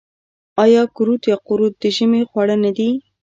آیا کورت یا قروت د ژمي خواړه نه دي؟